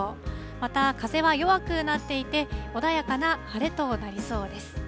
また風は弱くなっていて、穏やかな晴れとなりそうです。